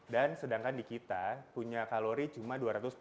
dan sedangkan di kita punya kalori cuma dua ratus tujuh puluh lima